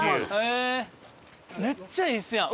めっちゃいいですやん！